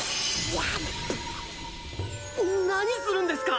わっぷ何するんですか